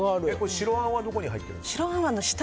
白あんはどこに入ってるんですか？